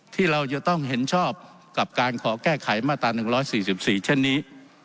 ที่เราจะต้องเห็นชอบกับการขอแก้ไขมาตรา๑๔๔เช่นนี้